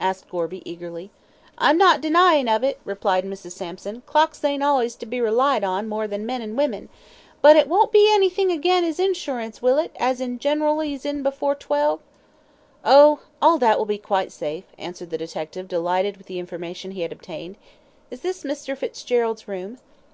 asked Gorby, eagerly. "I'm not denyin' of it," replied Mrs. Sampson; "clocks ain't allays to be relied on more than men an' women but it won't be anythin' agin 'is insurance, will it, as in general 'e's in afore twelve?" "Oh, all that will be quite safe," answered the detective, delighted with the information he had obtained. "Is this Mr. Fitzgerald's room?"